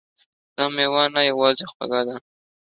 دا میوه نه یوازې خوږه ده